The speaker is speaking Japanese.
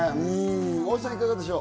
大橋さん、いかがでしょう？